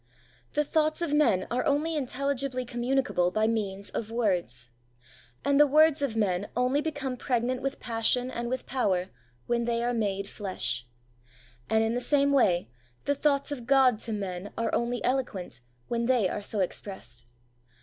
The thoughts of men are only intelligibly communicable by means of words; and the words of men only become pregnant with passion and with power when they are made flesh. And, in the same way, the thoughts of God to men are only eloquent when they are so expressed.